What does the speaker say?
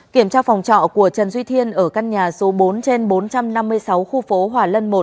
kiểm tra phòng trọ của trần duy thiên ở căn nhà số bốn trên bốn trăm năm mươi sáu khu phố hòa lân một